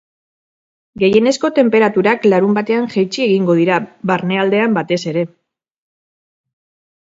Gehienezko tenperaturak larunbatean jaitsi egingo dira, barnealdean batez ere.